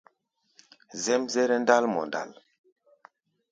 Zɛ́mzɛ́rɛ́ ndál mɔ ndǎl.